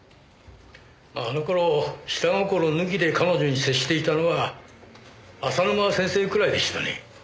あの頃下心抜きで彼女に接していたのは浅沼先生くらいでしたね。